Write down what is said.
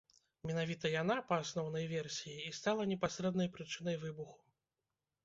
Менавіта яна, па асноўнай версіі, і стала непасрэднай прычынай выбуху.